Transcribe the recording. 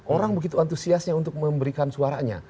orang begitu antusiasnya untuk memberikan suaranya